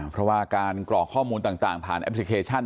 เพราะว่าการกรอกข้อมูลต่างผ่านแอปพลิเคชัน